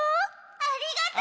ありがとち！